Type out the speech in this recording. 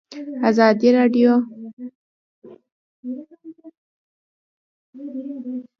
ازادي راډیو د مالي پالیسي په اړه د هر اړخیز پوښښ ژمنه کړې.